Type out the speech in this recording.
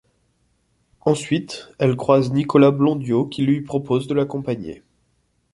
Ensuite, elle croise Nicolas Blondiau qui lui propose de l'accompagner.